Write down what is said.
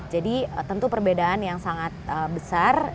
jadi tentu perbedaan yang sangat besar